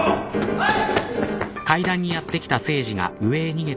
・はい！